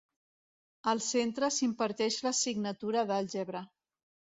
Al centre s'imparteix l'assignatura d'àlgebra.